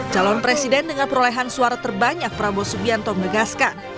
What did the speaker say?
calon presiden dengan perolehan suara terbanyak prabowo subianto menegaskan